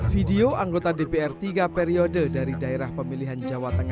video anggota dpr tiga periode dari daerah pemilihan jawabannya